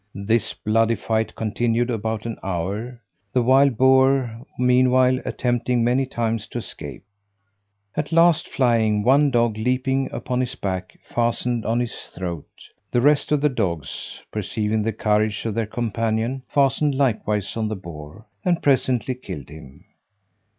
This bloody fight continued about an hour; the wild boar, meanwhile, attempting many times to escape. At last flying, one dog, leaping upon his back, fastened on his throat. The rest of the dogs, perceiving the courage of their companion, fastened likewise on the boar, and presently killed him.